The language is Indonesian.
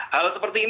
hal seperti ini